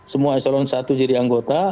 semua eselon satu jadi anggota